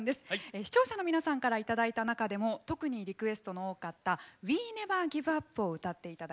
視聴者の皆さんからいただいた中でも特にリクエストの多かった「Ｗｅｎｅｖｅｒｇｉｖｅｕｐ！」を歌っていただきます。